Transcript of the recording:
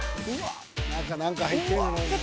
中何か入ってるんじゃないの。